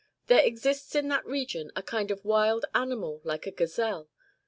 There exists in that res^ion a kind of wild animal like a gazelle.